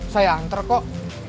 saya antar kok